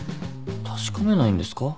確かめないんですか？